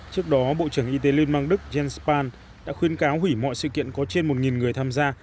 trước đó bộ trưởng y tế liên bang đức jens spahn đã khuyên cáo hủy mọi sự kiện có trên một người tham gia